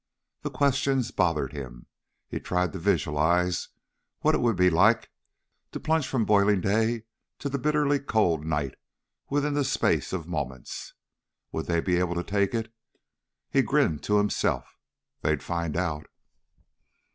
The questions bothered him. He tried to visualize what it would be like to plunge from boiling day to the bitterly cold night within the space of moments. Would they be able to take it? He grinned to himself. They'd find out!